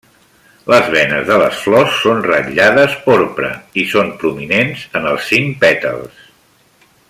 Les venes de les flors són ratllades porpra i són prominents en els cinc pètals.